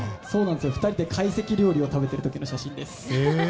２人で懐石料理を食べている時の写真です。